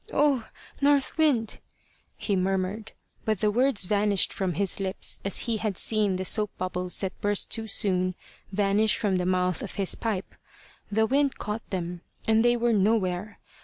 "Oh, North Wind!" he murmured, but the words vanished from his lips as he had seen the soap bubbles that burst too soon vanish from the mouth of his pipe. The wind caught them, and they were nowhere.